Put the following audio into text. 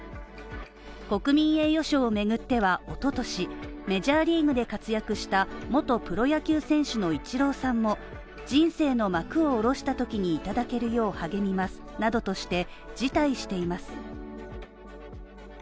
国民栄誉賞をめぐっては一昨年、メジャーリーグで活躍した元プロ野球選手のイチローさんも、人生の幕を下ろしたときにいただけるよう励みますなどとして辞退しています。